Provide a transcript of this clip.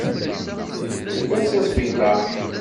Tiziri tuweḍ s asbiṭar.